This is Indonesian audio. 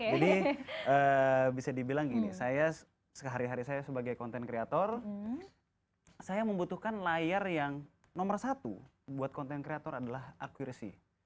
jadi bisa dibilang gini sehari hari saya sebagai content creator saya membutuhkan layar yang nomor satu buat content creator adalah akurasi